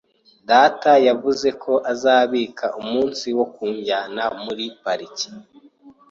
Data yavuze ko azabika umunsi wo kunjyana muri pariki.